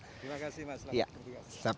terima kasih mas